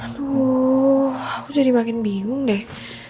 aduh aku jadi makin bingung deh